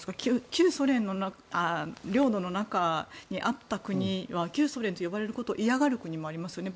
旧ソ連の領土の中にあった国は旧ソ連と呼ばれるのをいやがる国もありますよね。